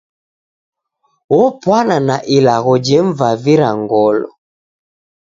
Opwana na ilagho jemvavira ngolo.